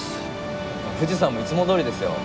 富士山もいつもどおりですよ。